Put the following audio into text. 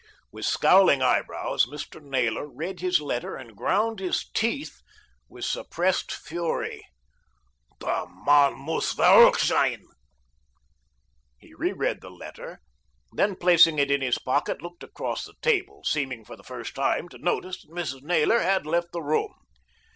With scowling eyebrows Mr. Naylor read his letter, and ground his teeth with suppressed fury. "Der mann muss verrückt 'sein." He re read the letter, then placing it in his pocket looked across the table, seeming for the first time to notice that Mrs. Naylor had left the room.